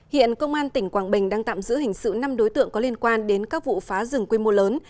hiện công an tỉnh quảng bình đang tạm giữ hình sự năm đối tượng có liên quan đến các vụ phá rừng quy mô lớn